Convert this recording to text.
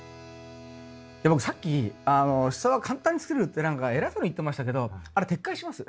僕さっきシソは簡単に作れるって何か偉そうに言ってましたけどあれ撤回します。